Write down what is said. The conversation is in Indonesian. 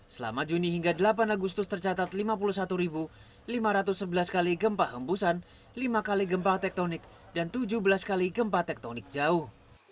selama juni hingga delapan agustus tercatat lima puluh satu lima ratus sebelas kali gempa hembusan lima kali gempa tektonik dan tujuh belas kali gempa tektonik jauh